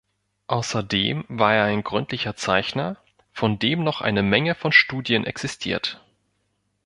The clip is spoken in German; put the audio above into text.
Außerdem war er ein gründlicher Zeichner, von dem noch eine Menge von Studien existiert.